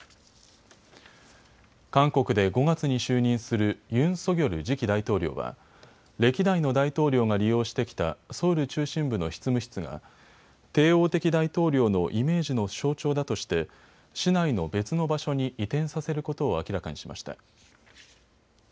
韓国で５月に就任するユン・ソギョル次期大統領は歴代の大統領が利用してきたソウル中心部の執務室が帝王的大統領のイメージの象徴だとして市内の別の場所に移転させることを明らかにしました。